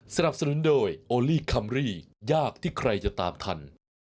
สนับสนุนโดยโอลี่คัมรี่ยากที่ใครจะตามทัน